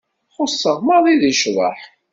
Xuṣṣeɣ maḍi deg ccḍeḥ.